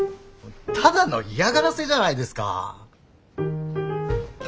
ただの嫌がらせじゃないですか。